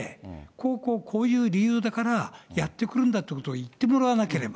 こうこういう理由だから、やって来るんだということを言ってもらわなければ、